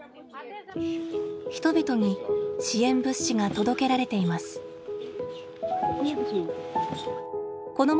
人々に支援物資が届けられています。